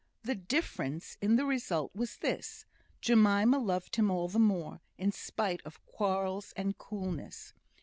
The difference in the result was this: Jemima loved him all the more, in spite of quarrels and coolness.